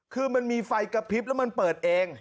คือมันมีไฟกระพริบแล้วมันเปิดเอง